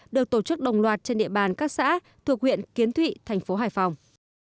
được tổ chức đồng loạt trên địa bàn các xã thuộc huyện kiến thụy thành phố hải phòng